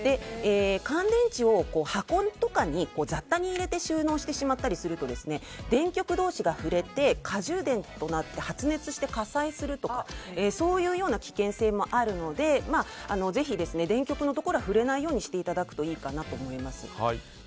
乾電池を箱とかに雑多に入れて収納すると電極同士が触れて過充電となって発熱して火災になるとかそういう危険性もあるのでぜひ電極のところは触れないようにしていただくといいかなと思います。